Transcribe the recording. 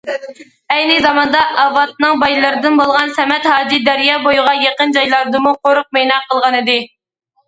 ئەينى زاماندا ئاۋاتنىڭ بايلىرىدىن بولغان سەمەت ھاجى دەريا بويىغا يېقىن جايلاردىمۇ قورۇق بىنا قىلغانىدى.